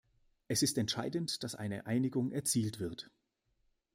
Es ist entscheidend, dass eine Einigung erzielt wird.